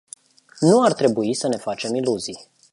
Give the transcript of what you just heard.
Nu ar trebui să ne facem iluzii.